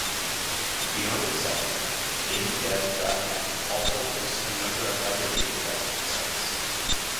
Beyond itself, GameDev dot net also hosts a number of other game development sites.